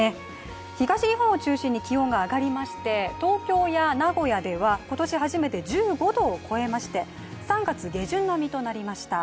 東日本を中心に気温が上がりまして東京や名古屋では今年初めて１５度を超えまして３月下旬並みとなりました。